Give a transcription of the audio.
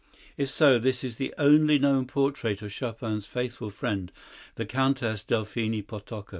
If so, this is the only known portrait of Chopin's faithful friend, the Countess Delphine Potocka.